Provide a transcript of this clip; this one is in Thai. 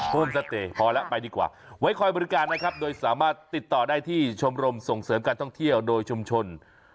สติพอแล้วไปดีกว่าไว้คอยบริการนะครับโดยสามารถติดต่อได้ที่ชมรมส่งเสริมการท่องเที่ยวโดยชุมชน